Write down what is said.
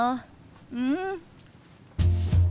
うん。